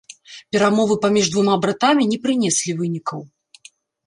Перамовы паміж двума братамі не прынеслі вынікаў.